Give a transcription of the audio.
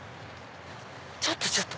ちょっとちょっと！